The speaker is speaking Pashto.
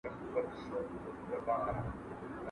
¬ د جولا منډه تر موږي پوري وي.